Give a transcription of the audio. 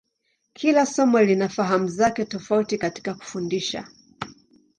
Kila somo lina fahamu zake tofauti katika kufundisha.